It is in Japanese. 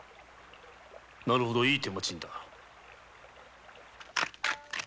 なるほどいい手間賃だ。